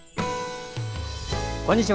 こんにちは。